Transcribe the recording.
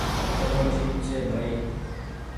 چلو ٺيڪ ڇي ڀآئي